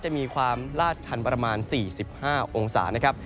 จะมีความลาดชันประมาณ๔๕องศานะครับ